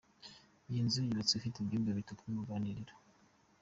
Iyi nzu yubatswe ifite ibyumba bitatu n’uruganiriro.